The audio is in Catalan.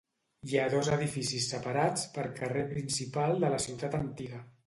Hi ha dos edificis separats per carrer principal de la ciutat antiga.